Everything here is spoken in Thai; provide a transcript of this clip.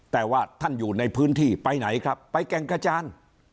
แต่ว่าท่านอยู่ในพื้นที่ไปไหนครับไปแก่งกระจาน